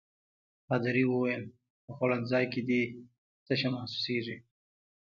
پادري وویل: په خوړنځای کې دي تشه محسوسيږي.